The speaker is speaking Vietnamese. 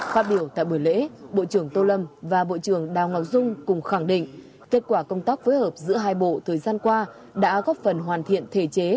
phát biểu tại buổi lễ bộ trưởng tô lâm và bộ trưởng đào ngọc dung cùng khẳng định kết quả công tác phối hợp giữa hai bộ thời gian qua đã góp phần hoàn thiện thể chế